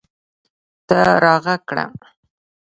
ته راږغ کړه !